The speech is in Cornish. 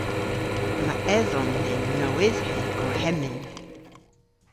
Yma edhomm dhyn nowydhhe gorhemmyn.